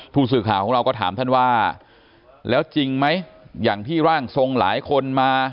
ผู้สื่อข่าวของเราก็ถามท่านว่าแล้วจริงไหมอย่างที่ร่างทรงหลายคนมา